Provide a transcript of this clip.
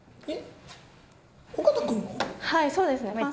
はいそうですね。